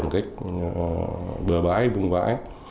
một cách bừa bãi vung vãi